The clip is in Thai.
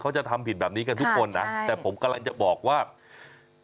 จะทำผิดแบบนี้กันทุกคนนะแต่ผมกำลังจะบอกว่า